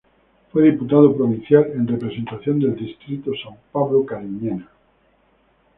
Fue diputado provincial en representación del distrito San Pablo-Cariñena.